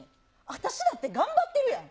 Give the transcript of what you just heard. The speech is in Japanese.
私だって頑張ってるやん。